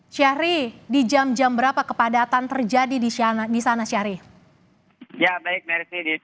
syahri di jam jam berapa kepadatan terjadi